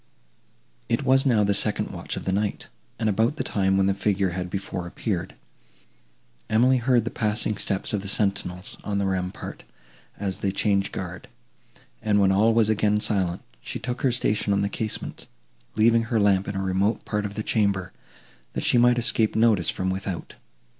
It was now the second watch of the night, and about the time when the figure had before appeared. Emily heard the passing steps of the sentinels, on the rampart, as they changed guard; and, when all was again silent, she took her station at the casement, leaving her lamp in a remote part of the chamber, that she might escape notice from without.